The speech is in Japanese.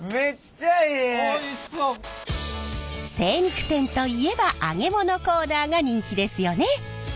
精肉店といえば揚げ物コーナーが人気ですよね。